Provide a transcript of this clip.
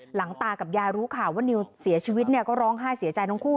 หลังตากับยายรู้ค่ะว่านิวเสียชีวิตก็ร้องไห้เสียใจทั้งคู่